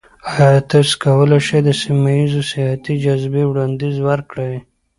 ایا تاسو کولی شئ د سیمه ایزو سیاحتي جاذبې وړاندیز وکړئ؟